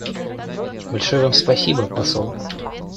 Большое Вам спасибо, посол.